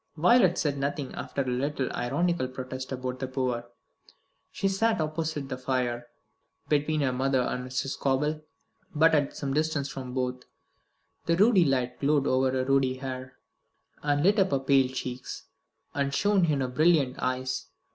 Violet said nothing after her little ironical protest about the poor. She sat opposite the fire, between her mother and Mr. Scobel, but at some distance from both. The ruddy light glowed on her ruddy hair, and lit up her pale cheeks, and shone in her brilliant eyes.